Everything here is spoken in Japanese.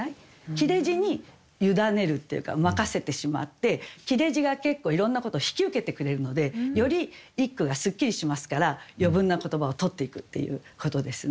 切れ字に委ねるっていうか任せてしまって切れ字が結構いろんなことを引き受けてくれるのでより一句がすっきりしますから余分な言葉を取っていくっていうことですね。